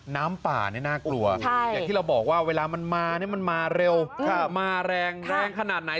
น้ำป่านี่น่ากลัวอย่างที่เราบอกว่าเวลามันมามันมาเร็วมาแรงแรงขนาดไหน